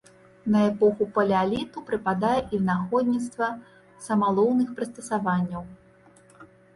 На эпоху палеаліту прыпадае і вынаходніцтва самалоўных прыстасаванняў.